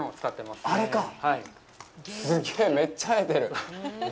すげえ、めっちゃ生えてる。